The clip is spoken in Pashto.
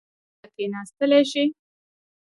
ایا کیناستلی شئ؟